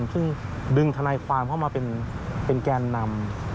ซึ่งดึงทนายความเข้ามาเป็นแกนนำ